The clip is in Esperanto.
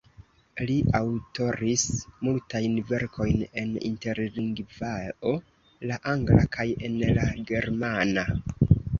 Li aŭtoris multajn verkojn en Interlingvao, la angla kaj en la germana.